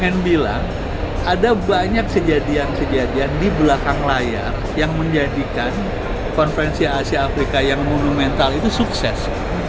and bilang ada banyak kejadian kejadian di belakang layar yang menjadikan konferensi asia afrika yang monumental itu sukses